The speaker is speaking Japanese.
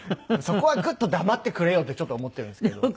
そこはグッと黙ってくれよってちょっと思ってるんですけど。